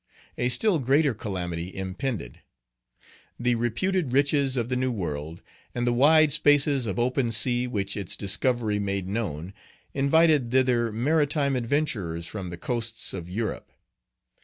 A still greater calamity impended. Page 26 The reputed riches of the New World, and the wide spaces of open sea which its discovery made known, invited thither maritime adventurers from the coasts of Europe.